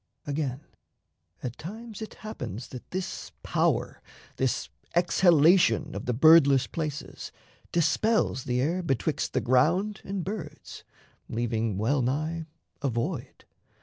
Again, at times it happens that this power, This exhalation of the Birdless places, Dispels the air betwixt the ground and birds, Leaving well nigh a void.